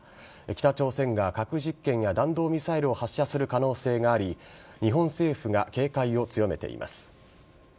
北朝鮮が核実験や弾道ミサイルを発射する可能性があり日本政府が警戒を強めています。